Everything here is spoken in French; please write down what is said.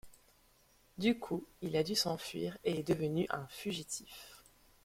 Du coup, il a dû s'enfuir et est devenu un fugitif.